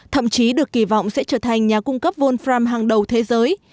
thậm chí được kỳ vọng sẽ trở thành nhà cung cấp volpram hàng đầu thế giới